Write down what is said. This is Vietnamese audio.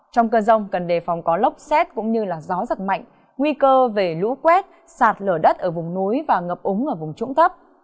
trong cơn rông cần đề phòng có lốc xét cũng như gió giật mạnh nguy cơ về lũ quét sạt lở đất ở vùng núi và ngập úng ở vùng trũng thấp